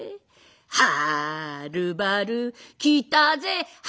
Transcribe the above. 「はるばるきたぜは」